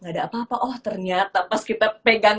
gak ada apa apa oh ternyata pas kita pegang